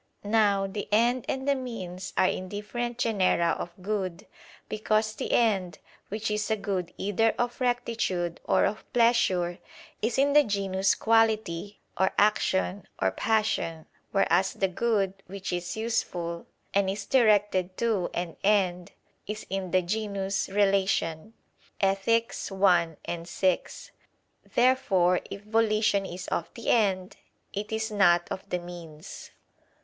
Now, the end and the means are in different genera of good: because the end, which is a good either of rectitude or of pleasure, is in the genus "quality," or "action," or "passion"; whereas the good which is useful, and is directed to and end, is in the genus "relation" (Ethic. i, 6). Therefore, if volition is of the end, it is not of the means.